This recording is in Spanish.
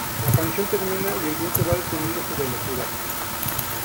La canción termina y el viento va deteniendo su velocidad.